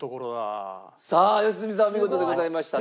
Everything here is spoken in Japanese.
良純さんお見事でございました。